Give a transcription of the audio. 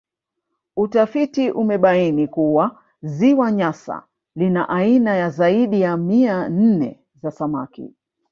Utafiti umebaini kuwa Ziwa Nyasa lina aina ya zaidi ya mia nne za samaki